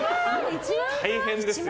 大変ですよ。